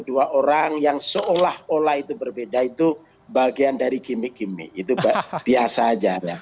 dua orang yang seolah olah itu berbeda itu bagian dari gimmick gimmick itu biasa aja